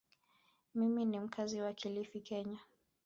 Mimi ni mkazi wa Kilifi, Kenya.